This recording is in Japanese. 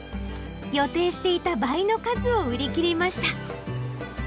予定していた倍の数を売り切りました。